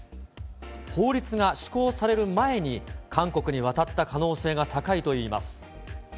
法律が施行される前に韓国に渡った可能性が高いといいます。